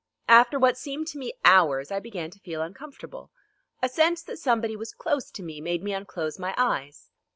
After what seemed to me hours, I began to feel uncomfortable. A sense that somebody was close to me made me unclose my eyes.